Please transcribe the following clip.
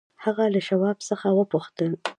هغه له شواب څخه وپوښتل.